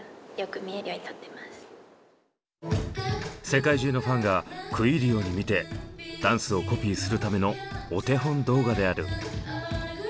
世界中のファンが食い入るように見てダンスをコピーするためのお手本動画である。